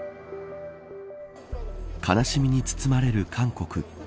悲しみに包まれる韓国。